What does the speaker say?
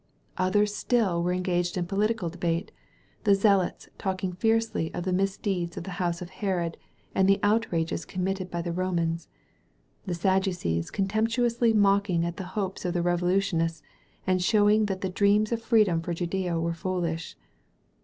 Others still were engaged in political de bate: the Zealots talking fiercely of the misdeeds of the house of Herod and the outrages committed by the Romans; the Sadducees contemptuously mocking at the hopes of the revolutionists and show ing that the dream of freedom for Judea was foolish.